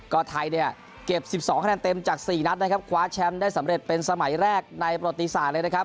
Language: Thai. ก็ไทยเก็บ๑๒คะแนนเต็มจาก๔นับนะครับขวาแชมป์เป็นสมัยแรกนะครับได้สำเร็จในประติศาลเลยนะครับ